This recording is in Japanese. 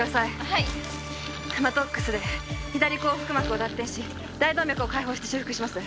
はいマトックスで左後腹膜を脱転し大動脈を開放して修復します